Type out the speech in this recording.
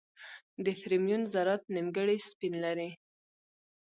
د فرمیون ذرات نیمګړي سپین لري.